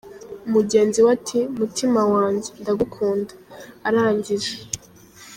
mugenzi we ati “Mutima wanjye, ndagukunda”, arangije